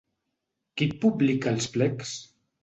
Qui et publica els plecs?